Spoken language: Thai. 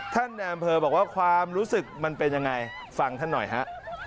ท่านแอมเพลอบอกว่าความรู้สึกมันเป็นอย่างไรฟังท่านหน่อยฮะ